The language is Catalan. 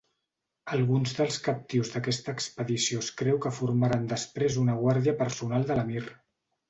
Alguns dels captius d'aquesta expedició es creu que formaren després una guàrdia personal de l'emir.